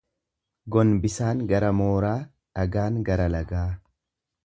Gombisaan gara mooraa, dhagaan gara lagaa.